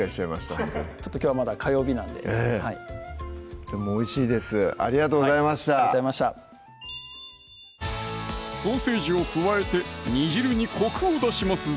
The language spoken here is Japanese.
ほんとにきょうはまだ火曜日なのでええでもおいしいですありがとうございましたありがとうございましたソーセージを加えて煮汁にコクを出しますぞ